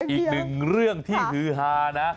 อีกหนึ่งเรื่องที่ฮือฮานะ